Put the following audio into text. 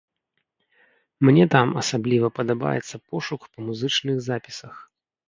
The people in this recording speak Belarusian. Мне там асабліва падабаецца пошук па музычных запісах.